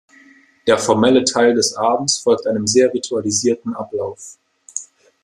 Der formelle Teil des Abends folgt einem sehr ritualisierten Ablauf.